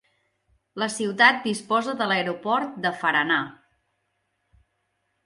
La ciutat disposa de l'aeroport de Faranah.